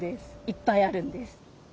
いっぱいあるんです。